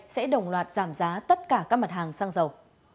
sẽ đồng loạt giảm giá tất cả các mặt hàng xăng dầu